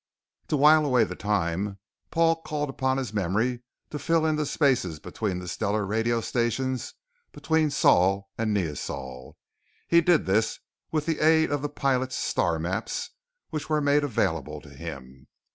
To while away the time Paul called upon his memory to fill in the spaces between the stellar radio stations between Sol and Neosol. He did this with the aid of the pilot's star maps which were made available to him.